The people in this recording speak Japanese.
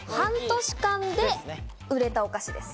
半年間で売れたお菓子です。